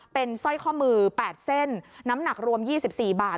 เป็นสร้อยข้อมือ๘เส้นน้ำหนักรวม๒๔บาท